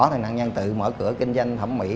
thì nạn nhân tự mở cửa kinh doanh thẩm mỹ